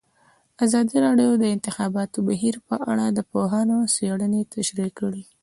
ازادي راډیو د د انتخاباتو بهیر په اړه د پوهانو څېړنې تشریح کړې.